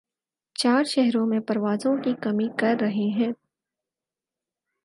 چار شہرو ں میں پروازوں کی کمی کر رہے ہیں